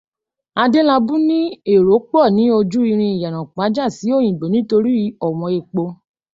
Adélabú ní èrò pọ̀ ní ojú ìrìn Ìyànà ìpájà si Òyìngbò nítori ọ̀wọ́n epo.